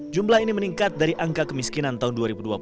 jumlah ini meningkat dari angka kemiskinan tahun dua ribu dua puluh